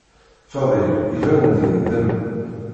Fadil iban-d yendem.